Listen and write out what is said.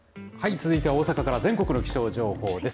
続いては大阪から全国の気象情報です。